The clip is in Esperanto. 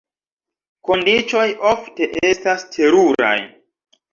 Kondiĉoj ofte estas teruraj.